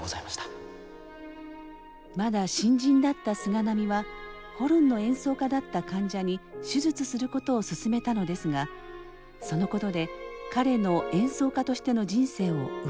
まだ新人だった菅波はホルンの演奏家だった患者に手術することをすすめたのですがそのことで彼の演奏家としての人生を奪ってしまったのです。